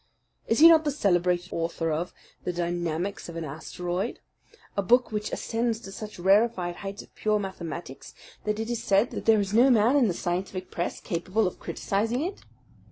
Is he not the celebrated author of The Dynamics of an Asteroid, a book which ascends to such rarefied heights of pure mathematics that it is said that there was no man in the scientific press capable of criticizing it?